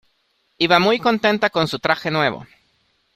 Iba muy contenta con su traje nuevo.